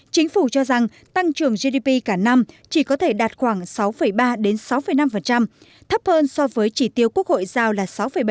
chính phủ cho rằng tăng trưởng gdp cả năm chỉ có thể đạt khoảng sáu ba sáu năm thấp hơn so với chỉ tiêu quốc hội giao là sáu bảy